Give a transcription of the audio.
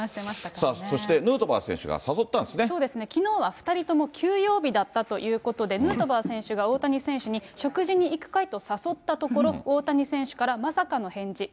そしてヌートバー選手が誘っそうですね、きのうは２人とも休養日だったということで、ヌートバー選手が大谷選手に食事に行くかいと誘ったところ、大谷選手からまさかの返事。